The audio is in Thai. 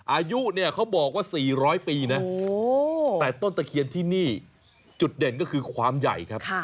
อายุเนี่ยเขาบอกว่า๔๐๐ปีนะแต่ต้นตะเคียนที่นี่จุดเด่นก็คือความใหญ่ครับ